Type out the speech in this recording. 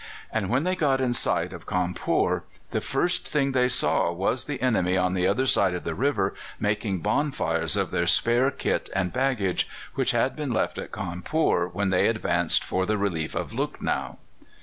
And when they got in sight of Cawnpore the first thing they saw was the enemy on the other side of the river making bonfires of their spare kit and baggage, which had been left at Cawnpore when they advanced for the relief of Lucknow.